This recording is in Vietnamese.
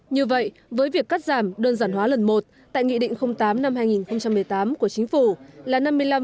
như vậy với việc cắt giảm đơn giản hóa lần một tại nghị định tám năm hai nghìn một mươi tám của chính phủ là năm mươi năm